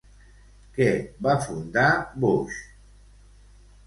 Què va fundar Boix?